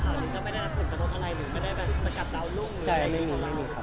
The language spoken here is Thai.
ก็ไม่ได้รับผลประโยชน์อะไรหรือไม่ได้การกัดดาวน์รุ่งหรืออะไรอย่างนี้ครับใช่ไม่มีครับ